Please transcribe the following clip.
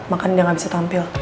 makan dia nggak bisa tampil